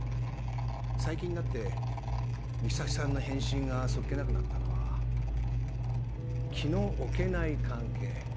最近になって美咲さんの返信が素っ気なくなったのは気の置けない関係